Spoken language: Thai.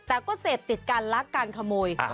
แต่ก็เสพติดการลักการขโมย